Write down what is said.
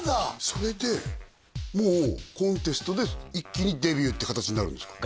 それでもうコンテストで一気にデビューって形になるんですか？